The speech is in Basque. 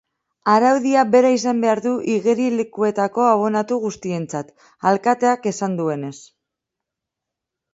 Araudia bera izan behar du igerilekuetako abonatu guztientzat, alkateak esan duenez.